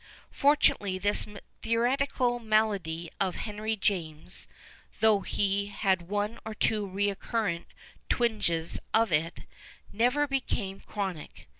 Fortunately, this theatrical malady of Henry James's (though he had one or two recurrent twinges of it) never became chronic.